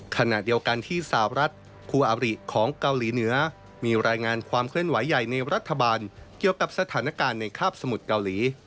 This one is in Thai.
ขณะเดียวกันที่สาวรัฐคู่อาริของเกาหลีเหนือมีรายงานความเคลื่อนไหวใหญ่ในรัฐบาลเกี่ยวกับสถานการณ์ในคาบสมุทรเกาหลี